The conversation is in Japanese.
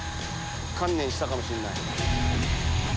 観念したかもしれない。